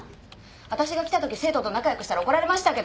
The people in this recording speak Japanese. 私が来たとき生徒と仲良くしたら怒られましたけど！